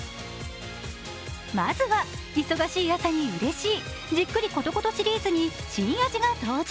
まずは忙しい朝にうれしい、じっくりコトコトシリーズに新味が登場。